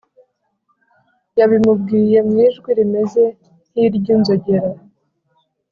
yabimubwiye mu ijwi rimeze nk’iry’inzogera